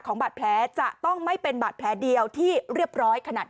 บาดแผลจะต้องไม่เป็นบาดแผลเดียวที่เรียบร้อยขนาด